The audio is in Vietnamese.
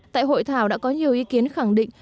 tại hội thảo đã có nhiều ý kiến khẳng định